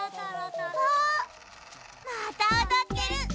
あっまたおどってる！